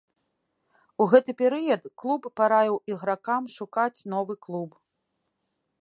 У гэты перыяд клуб параіў ігракам шукаць новы клуб.